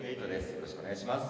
よろしくお願いします。